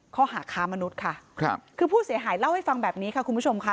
ข้อหาค้ามนุษย์ค่ะครับคือผู้เสียหายเล่าให้ฟังแบบนี้ค่ะคุณผู้ชมค่ะ